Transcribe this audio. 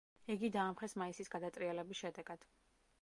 იგი დაამხეს მაისის გადატრიალების შედეგად.